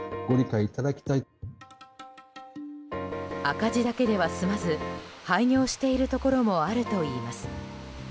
赤字だけでは済まず廃業しているところもあるといいます。